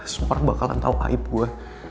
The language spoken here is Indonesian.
semua orang bakalan tau aib gue